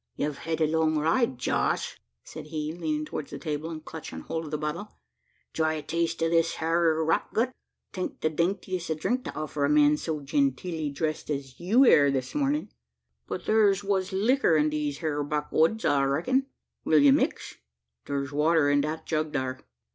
"Yev hed a long ride, Josh," said he, leaning towards the table and clutching hold of the bottle: "try a taste o' this hyur rot gut 'taint the daintiest o' drink to offer a man so genteelly dressed as you air this morning; but thur's wuss licker in these hyur back'oods, I reckun. Will ye mix? Thur's water in the jug thar."